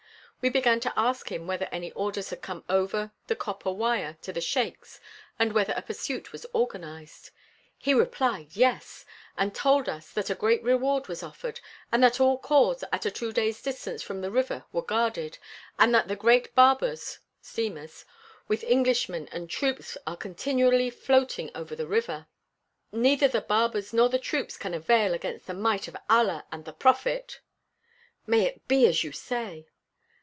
We began to ask him whether any orders had come over the copper wire to the sheiks and whether a pursuit was organized. He replied: 'Yes!' and told us that a great reward was offered, and that all khors at a two days' distance from the river were guarded, and that the great 'baburs' (steamers), with Englishmen and troops are continually floating over the river." "Neither the 'baburs' nor the troops can avail against the might of Allah and the prophet " "May it be as you say!"